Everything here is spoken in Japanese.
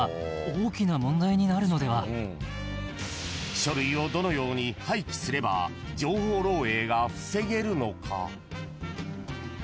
［書類をどのように廃棄すれば情報漏えいが防げるのか？］